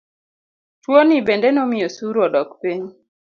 Tuoni bende nomiyo osuru odok piny.